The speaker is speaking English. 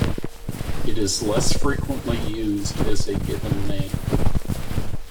It is less frequently used as a given name.